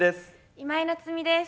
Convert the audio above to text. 今井菜津美です。